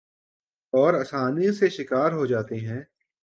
اور آسانی سے شکار ہو جاتے ہیں ۔